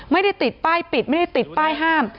ไม่ได้ติดป้ายปิดไม่ได้ติดป้ายห้าม